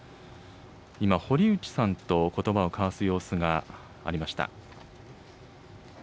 今、堀内さんとことばを交わす様子がありました。